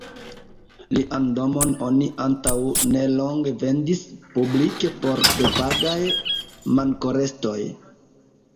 Lian domon oni antaŭ nelonge vendis publike por depagaj mankorestoj.